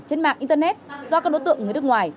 trên mạng internet do các đối tượng người nước ngoài